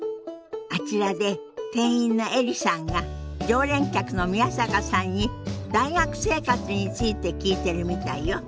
あちらで店員のエリさんが常連客の宮坂さんに大学生活について聞いてるみたいよ。